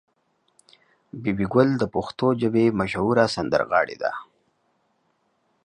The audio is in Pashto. بي بي ګل د پښتو ژبې مشهوره سندرغاړې ده.